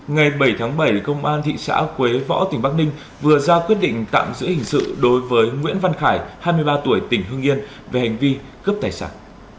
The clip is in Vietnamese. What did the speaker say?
ngày bảy tháng bảy công an thị xã quế võ tỉnh bắc ninh vừa ra quyết định tạm giữ hình sự đối với nguyễn văn khải hai mươi ba tuổi tỉnh hương yên về hành vi cướp tài sản